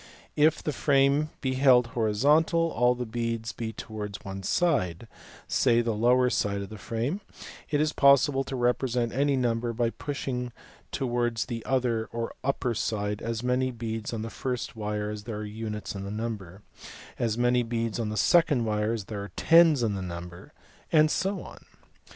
If the frame be held horizontal, and all the beads be towards one side, say the lower side of the frame, it is possible to represent any number by pushing towards the other or upper side as many beads on the first wire as there are units in the number, as many beads on the second wire as there are tens in the number, and so on.